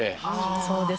そうですね